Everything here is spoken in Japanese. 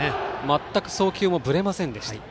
全く送球もぶれませんでした。